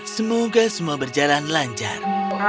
semoga semua berjalan lancar